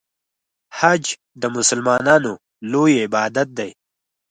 حج د مسلمانانو لوی عبادت دی.